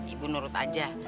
ibu nurut aja